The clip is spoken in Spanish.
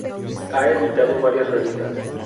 Ha editado varias revistas.